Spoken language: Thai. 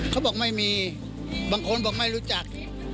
เขาบอกไม่มีบางคนบอกไม่รู้จัก